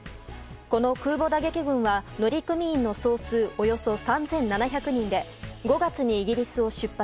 この空母打撃群は乗組員の総数およそ３７００人で５月にイギリスを出発。